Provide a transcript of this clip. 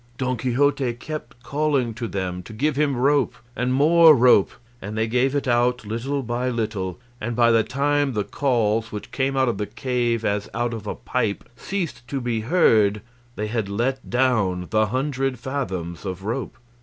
Don Quixote kept calling to them to give him rope and more rope, and they gave it out little by little, and by the time the calls, which came out of the cave as out of a pipe, ceased to be heard they had let down the hundred fathoms of rope.